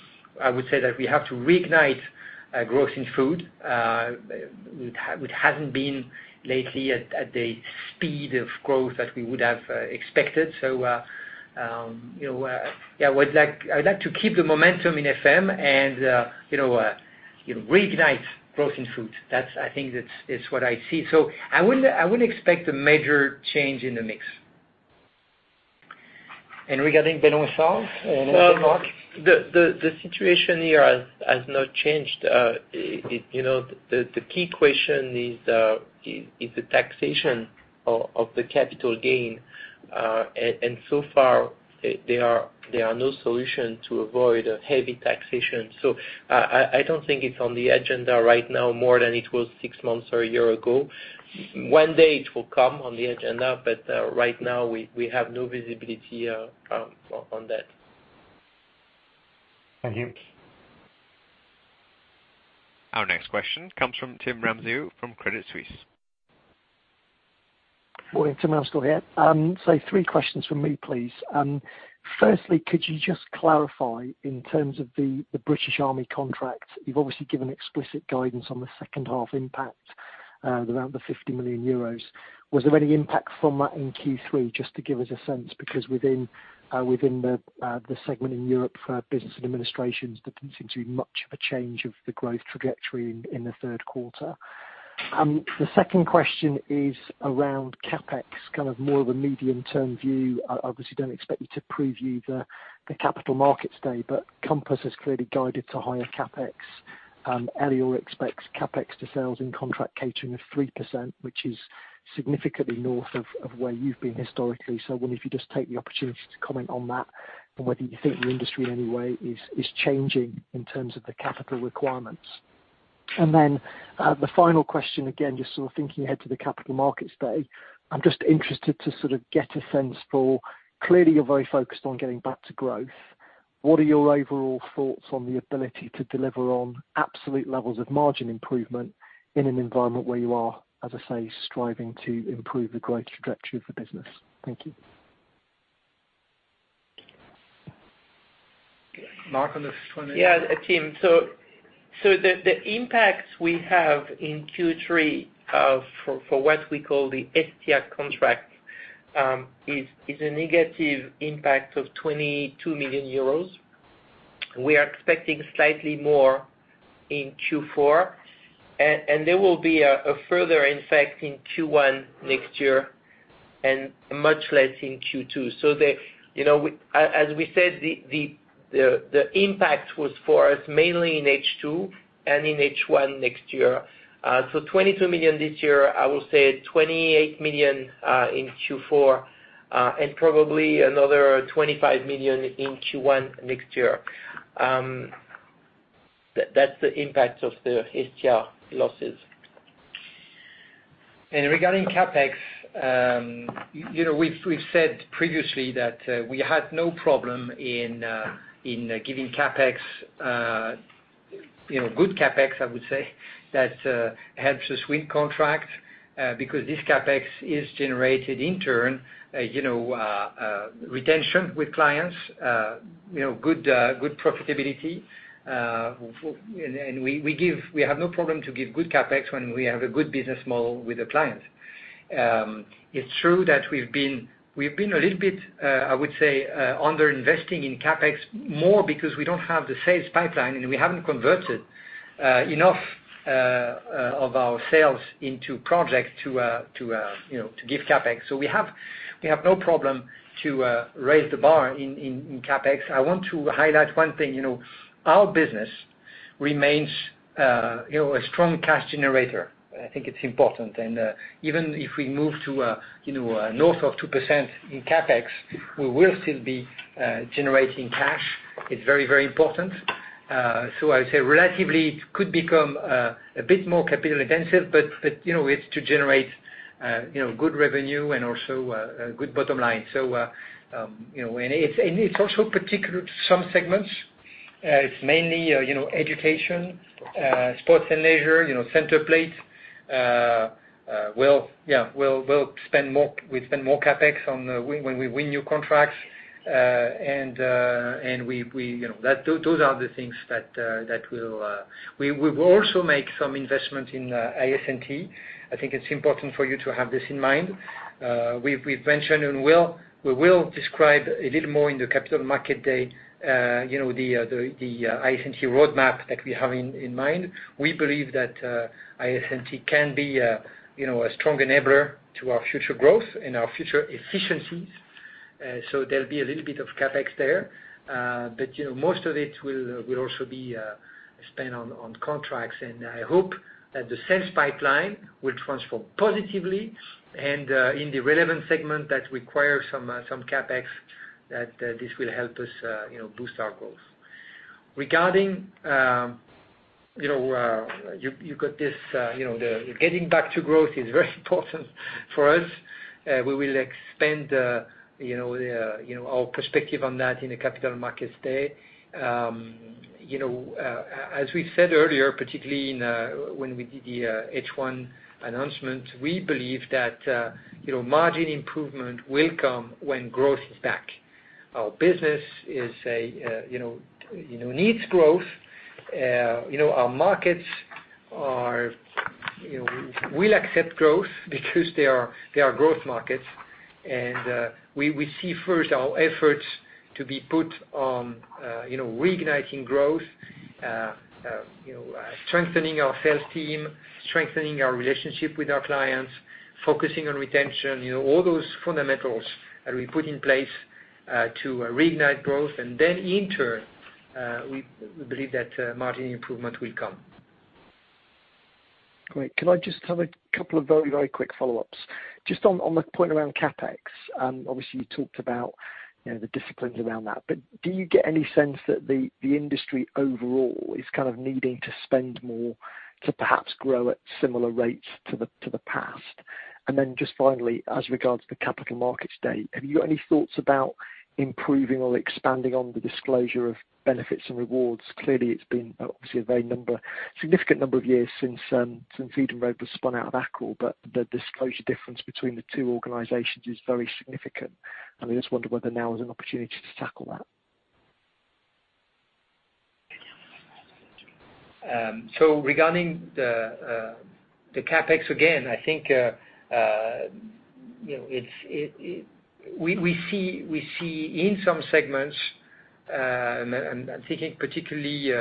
I would say that we have to reignite growth in food, which hasn't been lately at the speed of growth that we would have expected. I would like to keep the momentum in FM and reignite growth in food. I think that's what I see. I wouldn't expect a major change in the mix. Regarding Bellon SA, anything, Marc? The situation here has not changed. The key question is the taxation of the capital gain. So far, there are no solution to avoid a heavy taxation. I don't think it's on the agenda right now more than it was six months or a year ago. One day it will come on the agenda, right now we have no visibility on that. Thank you. Our next question comes from Tim Ramskill from Credit Suisse. Morning, Tim Ramsden here. Three questions from me, please. Firstly, could you just clarify in terms of the British Army contract, you've obviously given explicit guidance on the second half impact around the €50 million. Was there any impact from that in Q3, just to give us a sense? Within the segment in Europe for Business & Administrations, there didn't seem to be much of a change of the growth trajectory in the third quarter. The second question is around CapEx, more of a medium-term view. I obviously don't expect you to preview the Capital Markets Day, Compass has clearly guided to higher CapEx. Elior expects CapEx to sales in contract catering of 3%, which is significantly north of where you've been historically. I wonder if you just take the opportunity to comment on that and whether you think the industry in any way is changing in terms of the capital requirements. The final question, again, just thinking ahead to the Capital Markets Day, I'm just interested to get a sense. Clearly, you're very focused on getting back to growth. What are your overall thoughts on the ability to deliver on absolute levels of margin improvement in an environment where you are, as I say, striving to improve the growth trajectory of the business? Thank you. Marc on this one? Yeah, Tim. The impact we have in Q3 for what we call the STR contract, is a negative impact of €22 million. We are expecting slightly more in Q4, and there will be a further effect in Q1 next year and much less in Q2. As we said, the impact was for us mainly in H2 and in H1 next year. 22 million this year, I will say 28 million in Q4, and probably another 25 million in Q1 next year. That's the impact of the STR losses. Regarding CapEx, we've said previously that we had no problem in giving CapEx, good CapEx, I would say, that helps us win contract, because this CapEx is generated in turn, retention with clients, good profitability. We have no problem to give good CapEx when we have a good business model with the client. It's true that we've been a little bit, I would say, under-investing in CapEx more because we don't have the sales pipeline, and we haven't converted enough of our sales into projects to give CapEx. We have no problem to raise the bar in CapEx. I want to highlight one thing. Our business remains a strong cash generator. I think it's important. Even if we move to a north of 2% in CapEx, we will still be generating cash. It's very important. I would say relatively, it could become a bit more capital intensive, but it's to generate good revenue and also a good bottom line. It's also particular to some segments. It's mainly education, sports and leisure, Centerplate. We'll spend more CapEx when we win new contracts. Those are the things that we will also make some investment in IS&T. I think it's important for you to have this in mind. We've mentioned and we will describe a little more in the Capital Markets Day, the IS&T roadmap that we have in mind. We believe that IS&T can be a strong enabler to our future growth and our future efficiencies. There'll be a little bit of CapEx there. Most of it will also be spent on contracts. I hope that the sales pipeline will transform positively and in the relevant segment that requires some CapEx, that this will help us boost our growth. Regarding, you got this, the getting back to growth is very important for us. We will expand our perspective on that in the Capital Markets Day. As we said earlier, particularly when we did the H1 announcement, we believe that margin improvement will come when growth is back. Our business needs growth. Our markets will accept growth because they are growth markets. We see first our efforts to be put on reigniting growth, strengthening our sales team, strengthening our relationship with our clients, focusing on retention, all those fundamentals that we put in place to reignite growth. Then in turn, we believe that margin improvement will come. Great. Can I just have a couple of very quick follow-ups? Just on the point around CapEx, obviously you talked about the disciplines around that, but do you get any sense that the industry overall is kind of needing to spend more to perhaps grow at similar rates to the past? Just finally, as regards to the Capital Markets Day, have you got any thoughts about improving or expanding on the disclosure of Benefits and Rewards? Clearly, it's been obviously a very significant number of years since Edenred was spun out of Accor, but the disclosure difference between the two organizations is very significant, and I just wonder whether now is an opportunity to tackle that. Regarding the CapEx, again, I think we see in some segments, I'm thinking particularly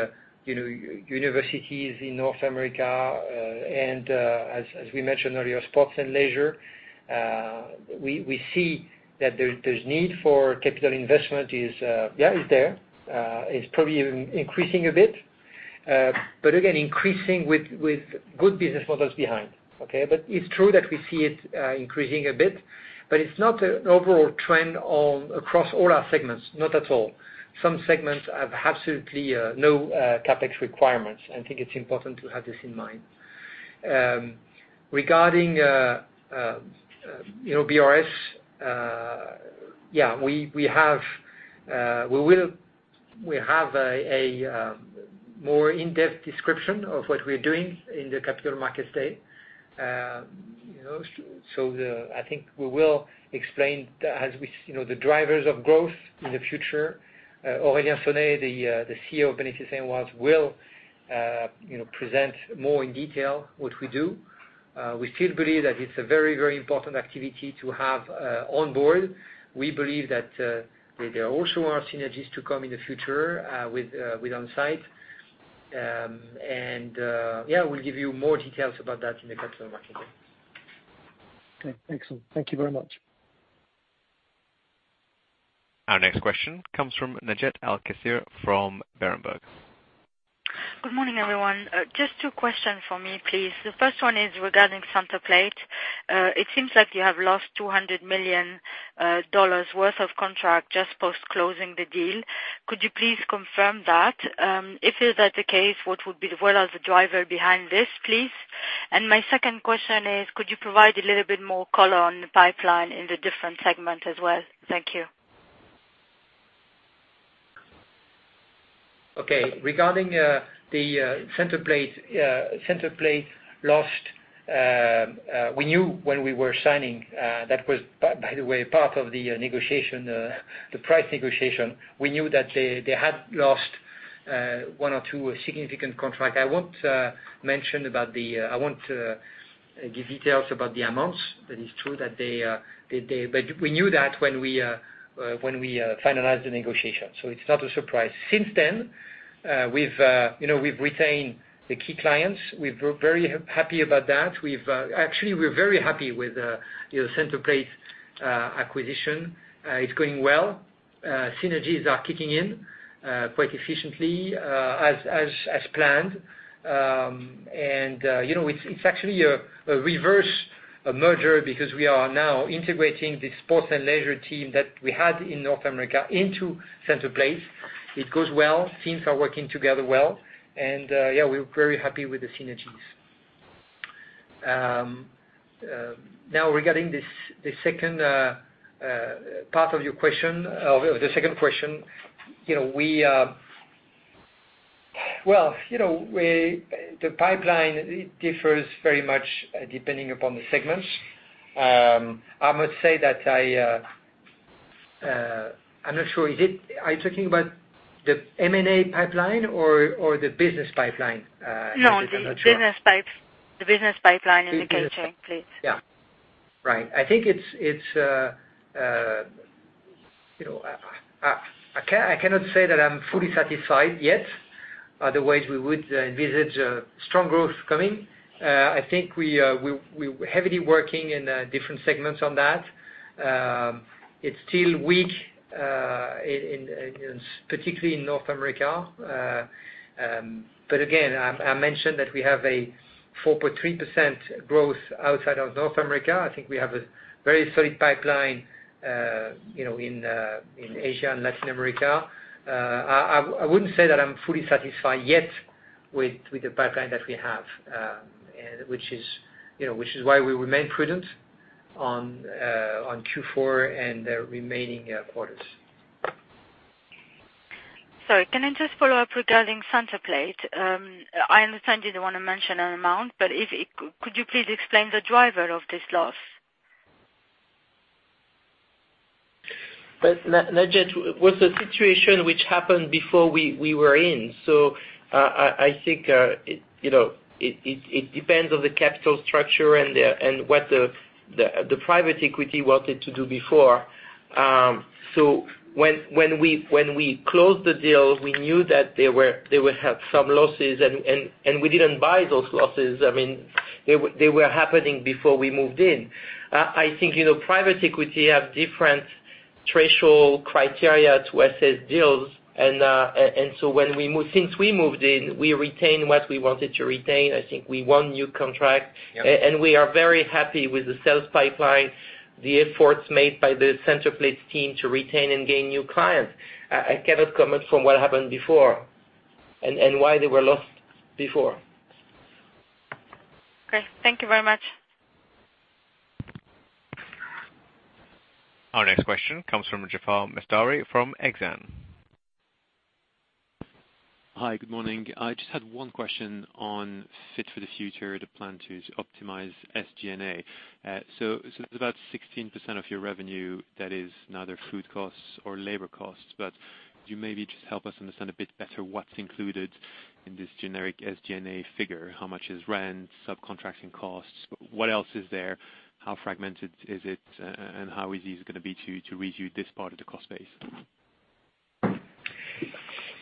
universities in North America, and as we mentioned earlier, sports and leisure, we see that there's need for capital investment is there. It's probably even increasing a bit. Again, increasing with good business models behind. Okay? It's true that we see it increasing a bit, but it's not an overall trend across all our segments. Not at all. Some segments have absolutely no CapEx requirements. I think it's important to have this in mind. Regarding BRS, we have a more in-depth description of what we're doing in the Capital Markets Day. I think we will explain the drivers of growth in the future. Aurélien Sonet, the CEO of Benefits & Rewards Services will present more in detail what we do. We still believe that it's a very important activity to have on board. We believe that there also are synergies to come in the future with On-site. Yeah, we'll give you more details about that in the Capital Markets Day. Okay, excellent. Thank you very much. Our next question comes from Najet El Kassir from Berenberg. Good morning, everyone. Just two questions for me, please. The first one is regarding Centerplate. It seems like you have lost EUR 200 million worth of contract just post-closing the deal. Could you please confirm that? If that is the case, what would be the driver behind this, please? My second question is, could you provide a little bit more color on the pipeline in the different segment as well? Thank you. Okay. Regarding the Centerplate lost, we knew when we were signing, that was, by the way, part of the negotiation, the price negotiation. We knew that they had lost one or two significant contract. I won't give details about the amounts. That is true. We knew that when we finalized the negotiation. It's not a surprise. Since then We've retained the key clients. We're very happy about that. Actually, we're very happy with the Centerplate acquisition. It's going well. Synergies are kicking in quite efficiently, as planned. It's actually a reverse merger because we are now integrating the sports and leisure team that we had in North America into Centerplate. It goes well. Teams are working together well. Yeah, we are very happy with the synergies. Now regarding the second part of your question, of the second question, well, the pipeline differs very much depending upon the segments. I must say that I'm not sure. Are you talking about the M&A pipeline or the business pipeline? I'm not sure. No, the business pipeline and the catering, please. Yeah. Right. I think I cannot say that I'm fully satisfied yet. Otherwise, we would envisage a strong growth coming. I think we're heavily working in different segments on that. It's still weak, particularly in North America. Again, I mentioned that we have a 4.3% growth outside of North America. I think we have a very solid pipeline in Asia and Latin America. I wouldn't say that I'm fully satisfied yet with the pipeline that we have, which is why we remain prudent on Q4 and the remaining quarters. Sorry, can I just follow up regarding Centerplate? I understand you don't want to mention an amount. Could you please explain the driver of this loss? Najet, it was a situation which happened before we were in. I think it depends on the capital structure and what the private equity wanted to do before. When we closed the deal, we knew that they would have some losses. We didn't buy those losses. They were happening before we moved in. I think private equity have different threshold criteria to assess deals. Since we moved in, we retained what we wanted to retain. I think we won new contract. Yeah. We are very happy with the sales pipeline, the efforts made by the Centerplate team to retain and gain new clients. I cannot comment from what happened before and why they were lost before. Okay. Thank you very much. Our next question comes from Jaafar Mestari from Exane. Hi. Good morning. I just had one question on Fit for the Future, the plan to optimize SG&A. It's about 16% of your revenue that is neither food costs or labor costs, but could you maybe just help us understand a bit better what's included in this generic SG&A figure? How much is rent, subcontracting costs? What else is there? How fragmented is it? How easy is it going to be to review this part of the cost base?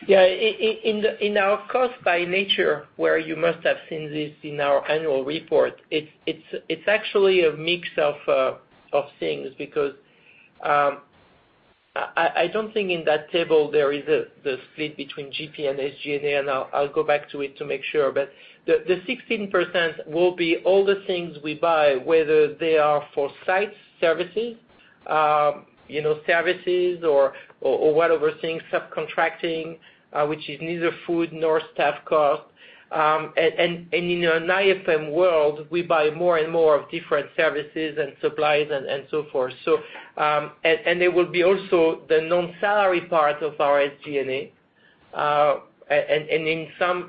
Yeah. In our cost by nature, where you must have seen this in our annual report, it's actually a mix of things because I don't think in that table there is the split between GP and SG&A, I'll go back to it to make sure. The 16% will be all the things we buy, whether they are for site services or whatever things, subcontracting, which is neither food nor staff cost. In an IFM world, we buy more and more of different services and supplies and so forth. There will be also the non-salary part of our SG&A.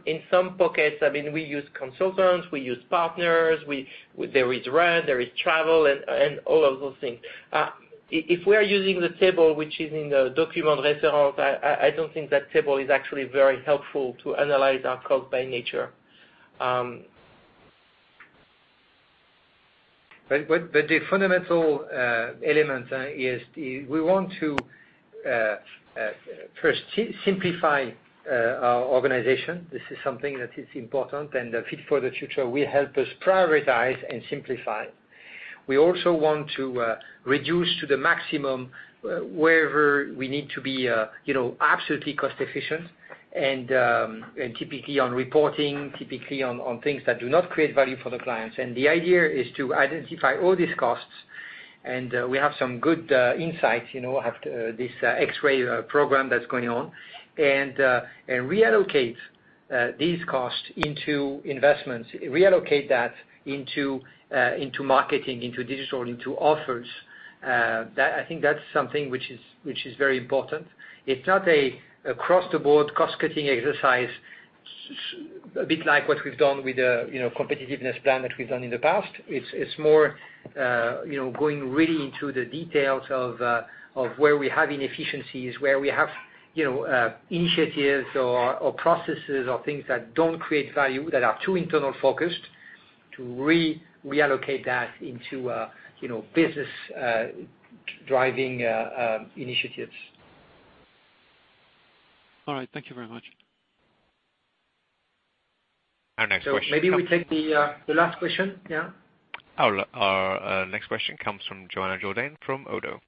In some pockets, we use consultants, we use partners, there is rent, there is travel, and all of those things. If we are using the table, which is in the Document de référence, I don't think that table is actually very helpful to analyze our cost by nature. The fundamental element is we want to first simplify our organization. This is something that is important, and the Fit for the Future will help us prioritize and simplify. We also want to reduce to the maximum wherever we need to be absolutely cost efficient and typically on reporting, typically on things that do not create value for the clients. The idea is to identify all these costs, and we have some good insights, have this X-ray program that's going on, and reallocate these costs into investments, reallocate that into marketing, into digital, into offers. I think that's something which is very important. It's not an across-the-board cost-cutting exercise, a bit like what we've done with the competitiveness plan that we've done in the past. It's more going really into the details of where we have inefficiencies, where we have initiatives or processes or things that don't create value, that are too internal-focused to reallocate that into business driving initiatives. All right. Thank you very much. Our next question- Maybe we take the last question, yeah. Our next question comes from Johanna Jourdain from Oddo.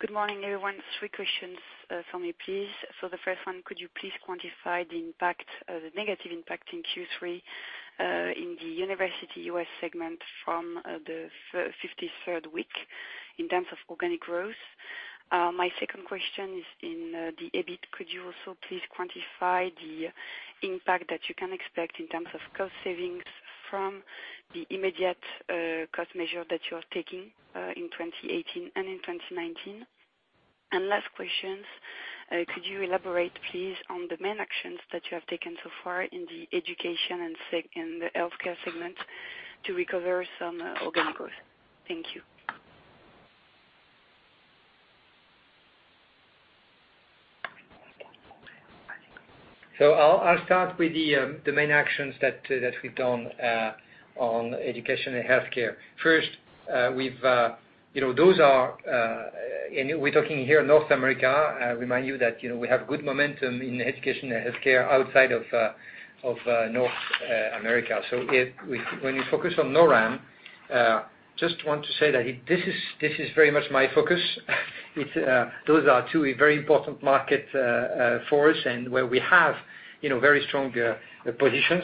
Good morning, everyone. Three questions for me, please. The first one, could you please quantify the negative impact in Q3 in the university U.S. segment from the 53rd week in terms of organic growth? My second question is in the EBIT. Could you also please quantify the impact that you can expect in terms of cost savings from the immediate cost measure that you are taking in 2018 and in 2019? Last question, could you elaborate, please, on the main actions that you have taken so far in the education and the healthcare segment to recover some organic growth? Thank you. I'll start with the main actions that we've done on education and healthcare. First, we're talking here North America. I remind you that we have good momentum in education and healthcare outside of North America. When we focus on NORAM, just want to say that this is very much my focus. Those are two very important market for us, and where we have very strong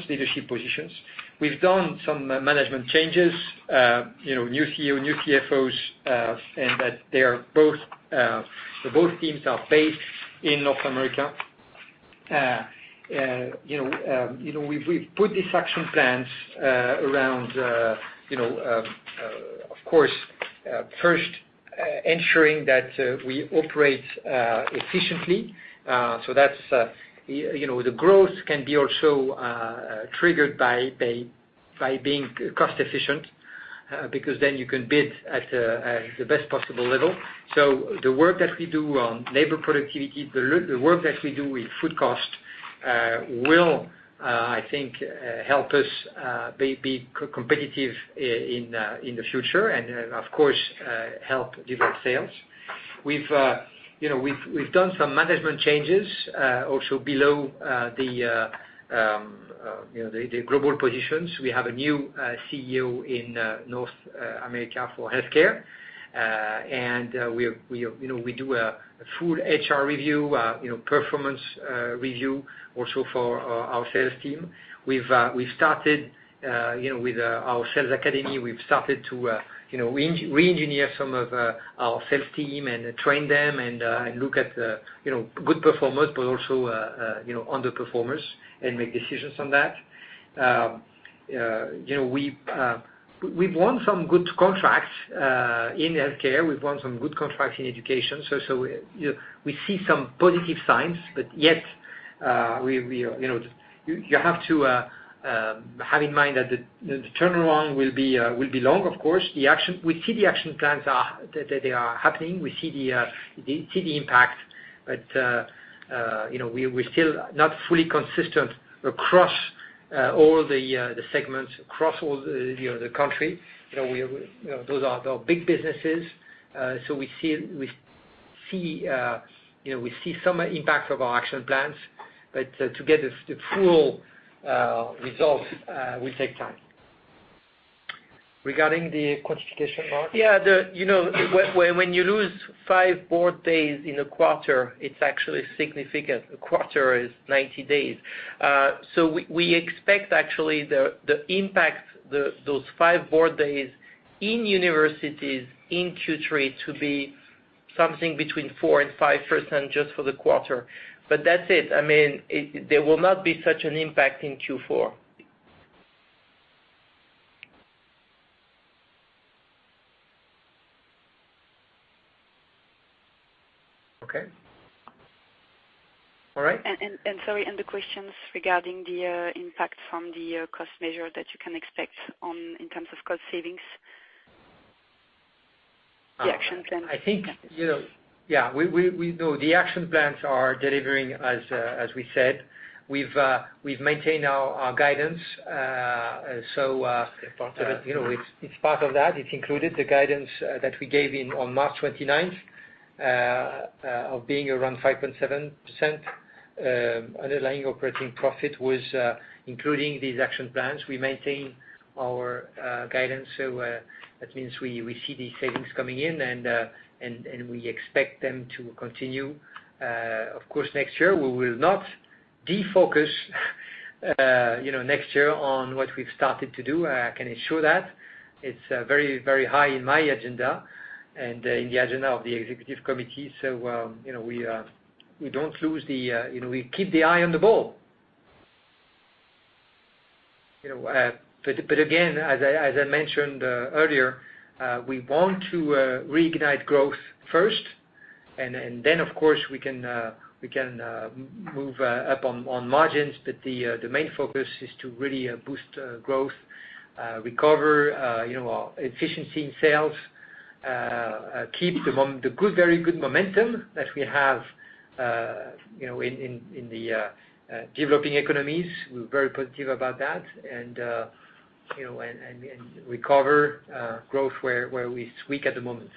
leadership positions. We've done some management changes, new CEO, new CFOs, and that both teams are based in North America. We've put these action plans around, of course, first ensuring that we operate efficiently. The growth can be also triggered by being cost-efficient, because then you can bid at the best possible level. The work that we do on labor productivity, the work that we do with food cost, will, I think, help us be competitive in the future and, of course, help develop sales. We've done some management changes, also below the global positions. We have a new CEO in North America for healthcare. We do a full HR review, performance review also for our sales team. We've started with our sales academy. We've started to reengineer some of our sales team and train them and look at the good performers, but also underperformers and make decisions on that. We've won some good contracts in healthcare. We've won some good contracts in education. We see some positive signs, but yet you have to have in mind that the turnaround will be long, of course. We see the action plans, they are happening. We see the impact. We're still not fully consistent across all the segments, across all the other country. Those are big businesses. We see some impact of our action plans. To get the full result will take time. Regarding the quantification Marc? Yeah. When you lose five board days in a quarter, it's actually significant. A quarter is 90 days. We expect actually the impact, those five board days in universities in Q3 to be something between 4% and 5% just for the quarter. That's it. There will not be such an impact in Q4. Okay. All right. Sorry, and the questions regarding the impact from the cost measure that you can expect in terms of cost savings. The action plan. The action plans are delivering as we said. We've maintained our guidance. It's part of it. It's part of that. It's included the guidance that we gave on March 29th, of being around 5.7%. Underlying operating profit was including these action plans. We maintain our guidance. That means we see these savings coming in and we expect them to continue. Of course, next year, we will not defocus next year on what we've started to do. I can assure that. It's very high in my agenda and in the agenda of the executive committee. We keep the eye on the ball. Again, as I mentioned earlier, we want to reignite growth first, and then, of course, we can move up on margins. The main focus is to really boost growth, recover our efficiency in sales, keep the very good momentum that we have in the developing economies. We're very positive about that. Recover growth where we squeak at the moment.